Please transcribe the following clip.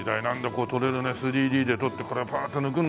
こう撮れるね３Ｄで撮ってこれをパーッと抜くんだね。